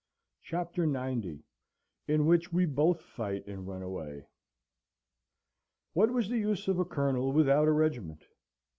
CHAPTER XC In which we both fight and run away What was the use of a Colonel without a regiment?